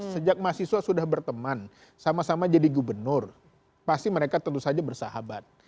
sejak mahasiswa sudah berteman sama sama jadi gubernur pasti mereka tentu saja bersahabat